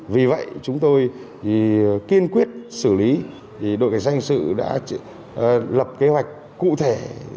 vì vậy chúng tôi kiên quyết xử lý đội cảnh sát hình sự đã lập kế hoạch cụ thể